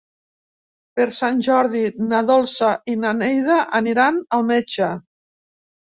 Per Sant Jordi na Dolça i na Neida aniran al metge.